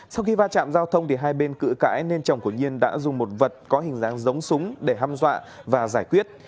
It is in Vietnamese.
sau khi va chạm giao thông thì hai bên cự cãi nên chồng của nhiên đã dùng một vật có hình dáng giống súng để hâm dọa và giải quyết